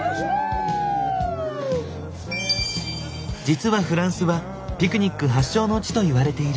実はフランスはピクニック発祥の地といわれている。